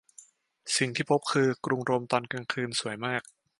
สิ่งที่พบคือกรุงโรมตอนกลางคืนสวยมาก